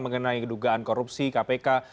mengenai kedugaan korupsi kpk